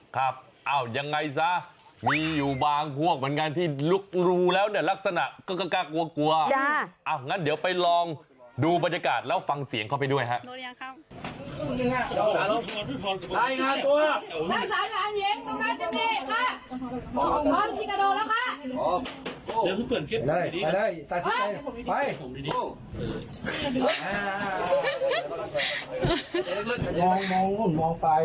ครับยังไงซะมีอยู่บางพวกเหมือนกันที่ลุกรูแล้วเนี่ยลักษณะก็กล้ากลัวกลัวงั้นเดี๋ยวไปลองดูบรรยากาศแล้วฟังเสียงเข้าไปด้วยครับ